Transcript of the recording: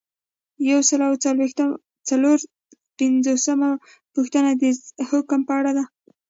یو سل او څلور پنځوسمه پوښتنه د حکم په اړه ده.